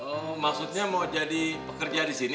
oh maksudnya mau jadi pekerja di sini